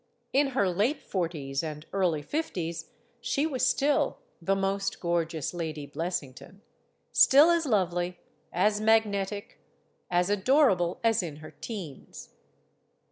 In her late forties and early fifties, she was still "the most gorgeous Lady Blessington," still as lovely, as mag netic, as adorable as in her teens.